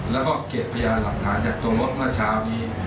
แล้วเขจพยายามหลักฐานจากตรงรถนักขาวนี้